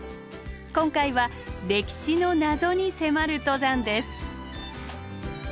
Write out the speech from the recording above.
今回は歴史の謎に迫る登山です。